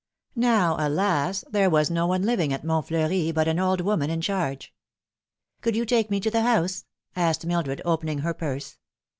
Now, alas ! there was no one living at Montfleuri but an old woman in charge. " Could you take me to the house ?" asked Mildred, opening her purse.